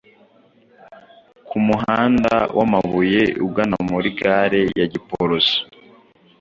ku muhanda w’amabuye ugana muri gare ya Giporoso